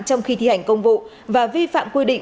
trong khi thi hành công vụ và vi phạm quy định